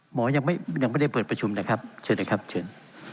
หมอยังไม่ได้เปิดประชุมนะครับเชิญเลยครับเชิญ